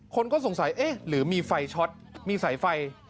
คนก็สงสัยเอ๊ะหรือมีไฟช็อตมีสายไฟ